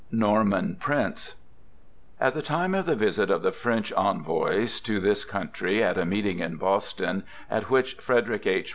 NORMAN PRINCE At the time of the visit of the French envoys to this country, at a meeting in Boston, at which Frederick H.